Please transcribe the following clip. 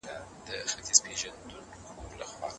د لاس لیکنه د دې بنسټ د پیاوړتیا سبب ګرځي.